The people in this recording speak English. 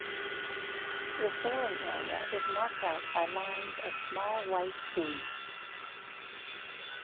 The sailing area is marked out by lines of small white buoys.